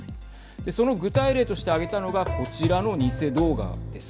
その具体例として挙げたのがこちらの偽動画です。